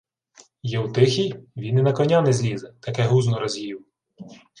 — Єутихій? Він і на коня не злізе, таке гузно роз'їв.